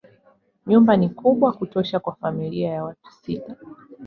Nyumba ni kubwa kutosha kwa familia ya watu sita.